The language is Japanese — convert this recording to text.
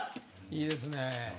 いいですね。